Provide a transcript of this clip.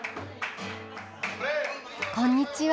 こんにちは。